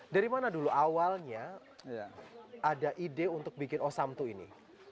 dari mana dulu awalnya ada ide untuk bikin osam dua ini